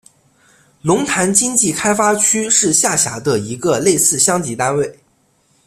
龙潭经济开发区是下辖的一个类似乡级单位。